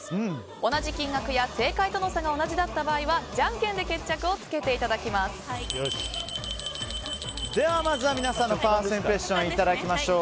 同じ金額や正解との差が同じだった場合はじゃんけんでまずは皆さんのファーストインプレッションいただきましょう。